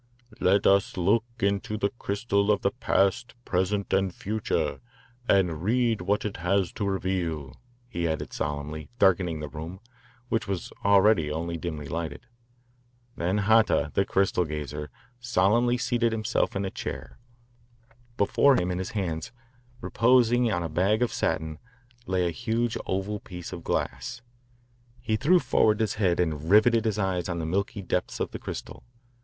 "Let us look into the crystal of the past, present, and future and read what it has to reveal," he added solemnly, darkening the room, which was already only dimly lighted. Then Hata, the crystal gazer, solemnly seated himself in a chair. Before him, in his hands, reposing on a bag of satin, lay a huge oval piece of glass. He threw forward his head and riveted his eyes on the milky depths of the crystal.